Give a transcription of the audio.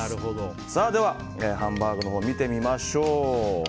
では、ハンバーグのほうを見てみましょう。